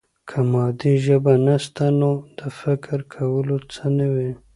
که مادي ژبه نسته، نو د فکر کولو څه نه وي.